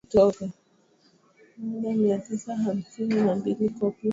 mwaka elfu moja mia tisa hamsini na mbili Koplo